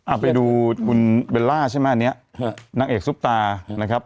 อ่าไปดูคุณเบลล่าใช่ไหมเนี่ยนักเอกซุกตานะครับ